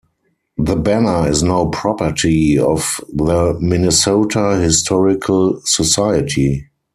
The banner is now property of the Minnesota Historical Society.